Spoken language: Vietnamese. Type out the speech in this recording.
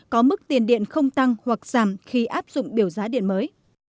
có mức tiền điện không tăng hoặc giảm khi áp dụng biểu giá điện mới